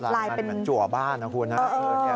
ลายมันเหมือนจั่วบ้านนะคุณครับ